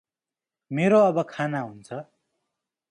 मेरो अब खाना हुन्छ ।